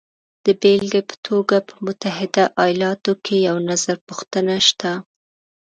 د بېلګې په توګه په متحده ایالاتو کې یو نظرپوښتنه شته